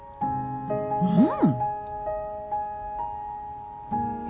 うん。